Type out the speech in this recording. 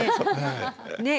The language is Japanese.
ねえ。